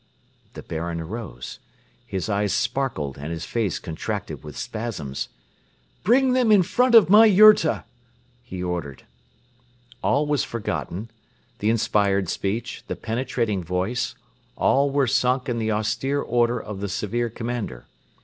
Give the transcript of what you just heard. The Baron arose. His eyes sparkled and his face contracted with spasms. "Bring them in front of my yurta!" he ordered. All was forgotten the inspired speech, the penetrating voice all were sunk in the austere order of the severe commander.